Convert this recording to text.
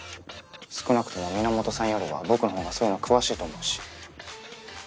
少なくとも皆本さんよりは僕の方がそういうの詳しいと思うし。